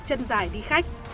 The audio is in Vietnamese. chân dài đi khách